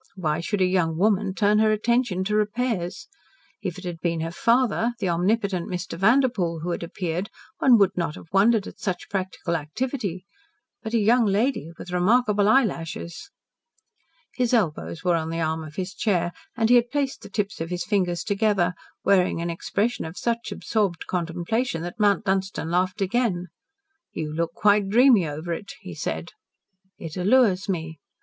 Why should a young woman turn her attention to repairs? If it had been her father the omnipotent Mr. Vanderpoel who had appeared, one would not have wondered at such practical activity. But a young lady with remarkable eyelashes!" His elbows were on the arm of his chair, and he had placed the tips of his fingers together, wearing an expression of such absorbed contemplation that Mount Dunstan laughed again. "You look quite dreamy over it," he said. "It allures me.